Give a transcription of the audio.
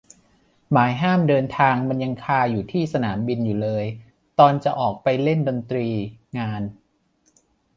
หมายห้ามเดินทางมันยังคาอยู่ที่สนามบินอยู่เลยตอนจะออกไปเล่นดนตรีงาน